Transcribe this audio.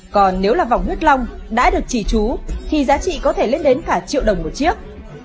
còn nếu là vòng huyết long đã được chỉ trú thì giá trị có thể lên đến cả triệu đồng một chiếc